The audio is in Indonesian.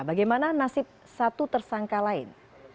bagaimana nasib satu tersangka lain